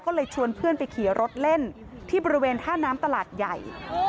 ก็เลยชวนเพื่อนไปขี่รถเล่นที่บริเวณท่าน้ำตลาดใหญ่